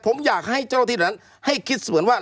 ผมอยากให้เจ้าหน้าที่นั้นให้คิดสวนว่า